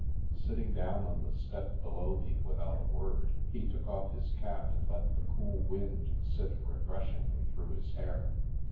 Sitting down on the step below me without a word, he took off his cap and let the cool wind sift refreshingly through his hair.